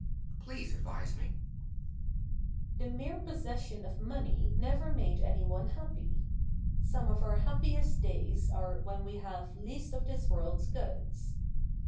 Please advise me." The mere possession of money never made any one happy. Some of our happiest days are when we have least of this world's goods.